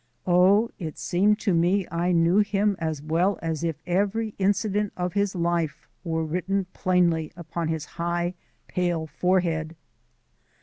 Oh, it seemed to me I knew him as well as if every incident of his life were written plainly upon his high, pale forehead!